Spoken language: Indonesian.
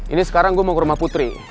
ini sekarang gue mau ke rumah putri